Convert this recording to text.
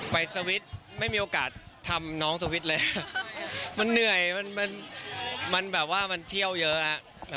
สวิตช์ไม่มีโอกาสทำน้องสวิตช์เลยมันเหนื่อยมันแบบว่ามันเที่ยวเยอะครับ